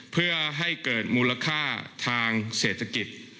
เพื่อให้เกิดมูลค่าทางเศรษฐกิจ